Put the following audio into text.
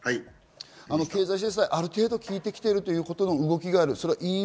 経済制裁ある程度、効いてきているということの動きがあります。